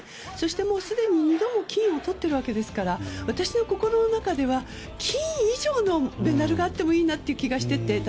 そしてすでに２度も金をとっているわけですから私の心の中では金以上のメダルがあってもいいなという気がしていて。